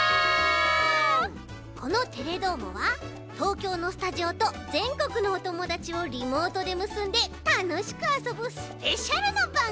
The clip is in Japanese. この「テレどーも！」は東京のスタジオとぜんこくのおともだちをリモートでむすんでたのしくあそぶスペシャルなばんぐみだち。